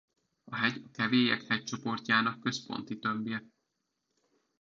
A hegy a Kevélyek hegycsoportjának központi tömbje.